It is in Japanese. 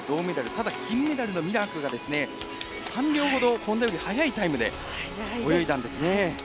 ただ金メダルの選手が３秒ほど、本多より早いタイムで泳いだんですよね。